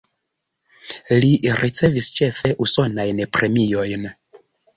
Li ricevis ĉefe usonajn premiojn.